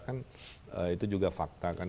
kan itu juga fakta kan